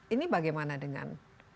ini bagaimana dengan